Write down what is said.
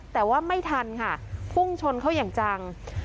แต่ว่าไม่ทันค่ะพุ่งชนเขาอย่างจัง